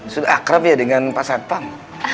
sudah akrab ya dengan pak satpam